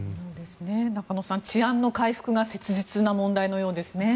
中野さん、治安の回復が切実な問題のようですね。